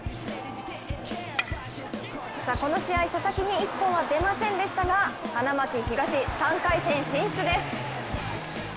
この試合、佐々木に１本は出ませんでしたが花巻東、３回戦進出です。